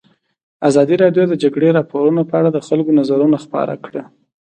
ازادي راډیو د د جګړې راپورونه په اړه د خلکو نظرونه خپاره کړي.